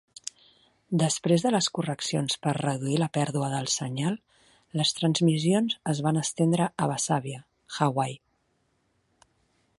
Després de les correccions per reduir la pèrdua del senyal, les transmissions es van estendre a Washiawa, Hawaii.